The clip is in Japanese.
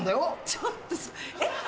ちょっとえ？